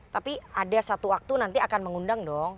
tapi ada satu waktu nanti akan mengundang dong